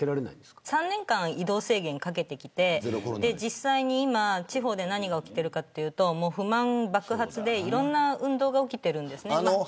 ３年間、移動制限をかけてきて実際に地方で何が起きているかというと不満爆発でいろんな運動が起きてるんです。